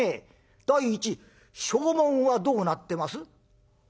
第一証文はどうなってます？」。